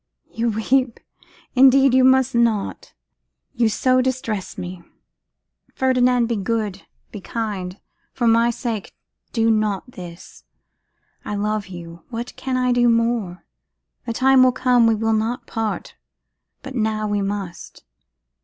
You weep! Indeed you must not; you so distress me. Ferdinand, be good, be kind; for my sake do not this. I love you; what can I do more? The time will come we will not part, but now we must.